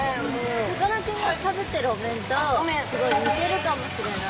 さかなクンがかぶってるお面とすごい似てるかもしれない。